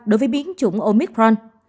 đối với biến chủng omicron